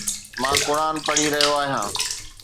مان قرآن پڙهي رهيو آهيان.